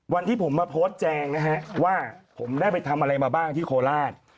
วันที่ผมมาโพสต์แจงนะฮะว่าผมได้ไปทำอะไรมาบ้างที่โคราช